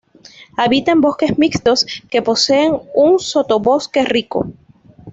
Habita en bosques mixtos que posean un sotobosque rico.